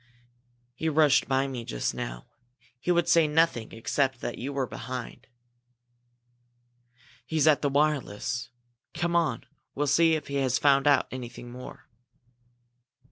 "He rushed by me just now. He would say nothing except that you were behind." "He's at the wireless. Come on! We'll see if he has found out anything more."